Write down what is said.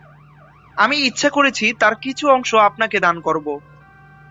আমি ইচ্ছা করেছি তার কিছু অংশ আপনাকে দান করবো।